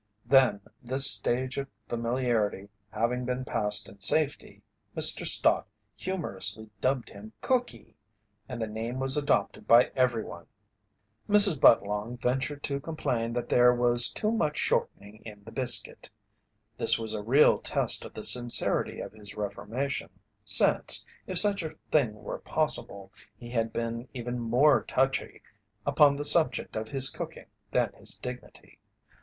Then, this stage of familiarity having been passed in safety, Mr. Stott humorously dubbed him "Cookie," and the name was adopted by everyone. Mrs. Budlong ventured to complain that there was too much shortening in the biscuit. This was a real test of the sincerity of his reformation since, if such a thing were possible, he had been even more "touchy" upon the subject of his cooking than his dignity.